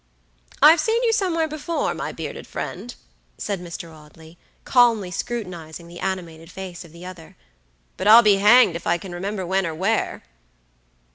"I've seen you somewhere before, my bearded friend," said Mr. Audley, calmly scrutinizing the animated face of the other, "but I'll be hanged if I can remember when or where."